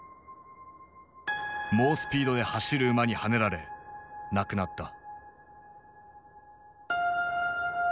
猛スピードで走る馬にはねられ亡くなった。